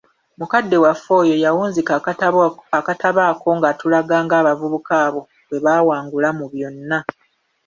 Mukadde waffe oyo yawunzika akatabo ako ng'atulaga ng'abavubuka abo bwe baawangula mu byonna.